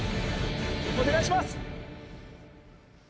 お願いします！